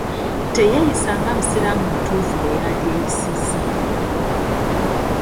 Teyeeyisa nga musiramu mutuufu bwe yandyeyisiza.